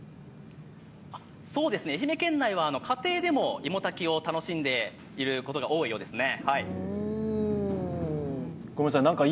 愛媛県内は家庭でもいも炊きを楽しんでいることが多いようですね。